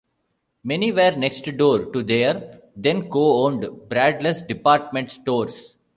Many were next door to their then-co-owned Bradlees Department stores.